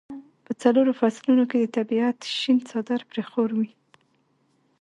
په څلورو فصلونو کې د طبیعت شین څادر پرې خور وي.